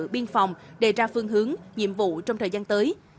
biên phòng đề ra phương hướng nhiệm vụ trong thời gian tới